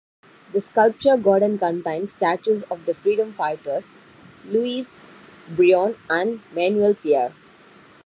The sculpture garden contains statues of the freedom fighters Luis Brion and Manuel Piar.